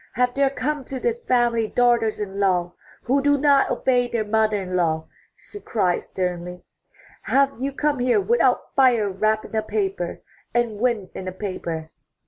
Have there come to this family daughters in law who do not obey their mother in law?" she cried sternly. ''Have you come here without fire wrapped in a paper, and wind in a paper?'